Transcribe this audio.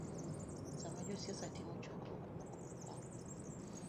Sama josiasa timo chokruok moro, ok